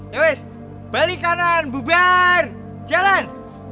tewes balik kanan bubar jalan